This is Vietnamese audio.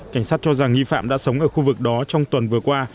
cảnh sát cho rằng nghi phạm đã sống ở khu vực đó trong tuần vừa qua